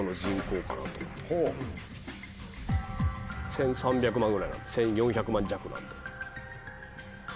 １３００万ぐらい１４００万弱なんで。